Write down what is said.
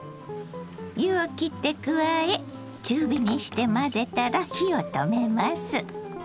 湯をきって加え中火にして混ぜたら火を止めます。